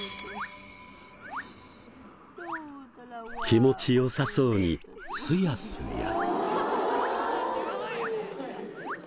気持ちよさそうにすやすや。